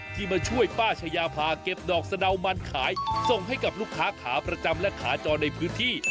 มาช่วยป้าชายาพาเก็บดอกสะดาวมันขายส่งให้กับลูกค้าขาประจำและขาจรในพื้นที่